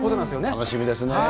楽しみですね。